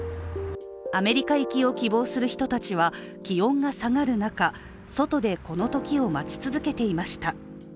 アメリカ行きを希望する人たちは気温が下がる中、外でこのときを待ち続けていました。